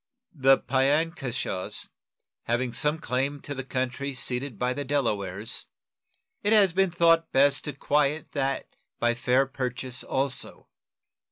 The Piankeshaws having some claim to the country ceded by the Delawares, it has been thought best to quiet that by fair purchase also.